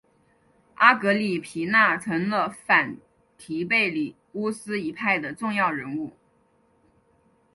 阿格里皮娜成了反提贝里乌斯一派的重要人物。